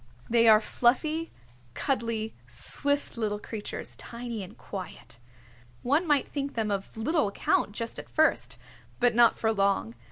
They are fluffy, cuddly, swift little creatures, tiny and quiet. One might think them of little account just at first, but not for long.